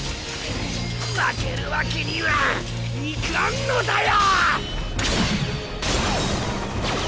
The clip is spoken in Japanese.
負けるわけにはいかんのだよ！